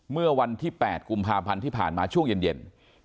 เมื่อวันที่๘กุมภาพันธ์ที่ผ่านมาช่วงเย็น